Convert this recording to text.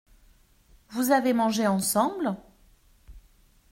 Vous avez mangé ensemble ?